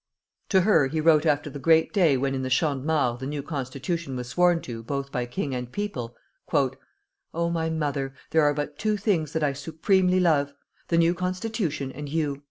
To her he wrote after the great day when in the Champ de Mars the new Constitution was sworn to both by king and people: "Oh, my mother! there are but two things that I supremely love, the new constitution and you!"